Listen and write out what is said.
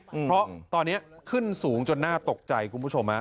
เพราะตอนนี้ขึ้นสูงจนน่าตกใจคุณผู้ชมฮะ